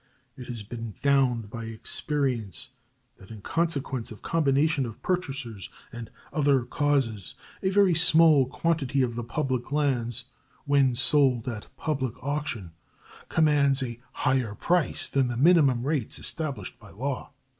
It has been found by experience that in consequence of combinations of purchasers and other causes a very small quantity of the public lands, when sold at public auction, commands a higher price than the minimum rates established by law.